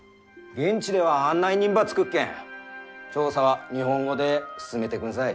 現地では案内人ば付くっけん調査は日本語で進めてくんさい。